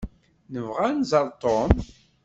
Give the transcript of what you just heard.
Nebɣa ad nẓer Tom.